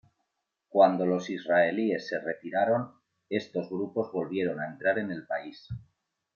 Cuando los israelíes se retiraron, estos grupos volvieron a entrar en el país.